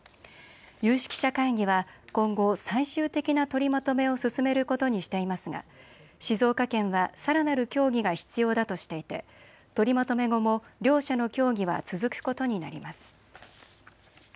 有識者会議は今後、最終的な取りまとめを進めることにしていますが静岡県はさらなる協議が必要だとしていて取りまとめ後も両者の協議は続くことになります。